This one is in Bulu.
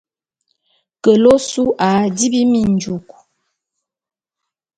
Kele ôsu a dibi minjuk.